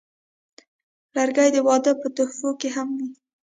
لرګی د واده په تحفو کې هم وي.